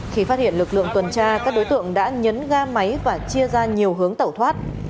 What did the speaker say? khi phát hiện lực lượng tuần tra các đối tượng đã nhấn ga máy và chia ra nhiều hướng tẩu thoát